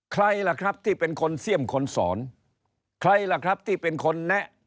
ใครล่ะครับที่เป็นคนเสี่ยมคนสอนใครล่ะครับที่เป็นคนแนะ